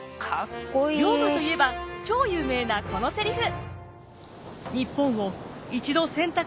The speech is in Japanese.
龍馬といえば超有名なこのセリフ。